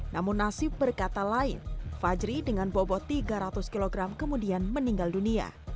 namun nasib berkata lain fajri dengan bobot tiga ratus kg kemudian meninggal dunia